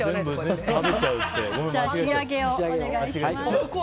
仕上げをお願いします。